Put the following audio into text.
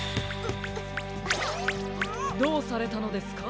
どうされたのですか？